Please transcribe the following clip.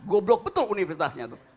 goblok betul universitasnya tuh